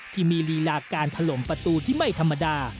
ลีลาการถล่มประตูที่ไม่ธรรมดา